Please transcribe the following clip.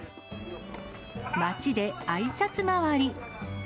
街であいさつ回り。